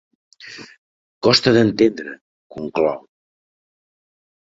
Costa d'entendre —conclou.